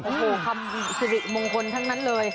โอ้โหคำสิริมงคลทั้งนั้นเลย